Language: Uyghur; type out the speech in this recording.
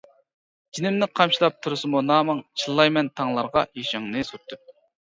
جېنىمنى قامچىلاپ تۇرسىمۇ نامىڭ، چىللايمەن تاڭلارغا يېشىڭنى سۈرتۈپ.